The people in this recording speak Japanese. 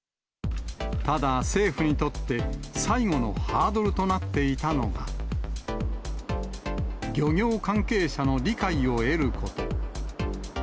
ただ、政府にとって最後のハードルとなっていたのが、漁業関係者の理解を得ること。